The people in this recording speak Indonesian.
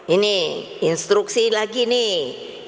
ini instruksi lagi nih